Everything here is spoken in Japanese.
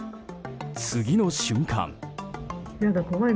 次の瞬間。